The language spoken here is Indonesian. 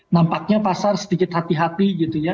nampaknya pasar sedikit hati hati gitu ya